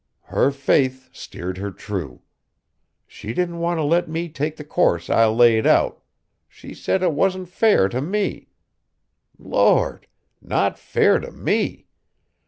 Her faith steered her true! She didn't want t' let me take the course I laid out; she said it wasn't fair t' me. Lord! not fair t' me!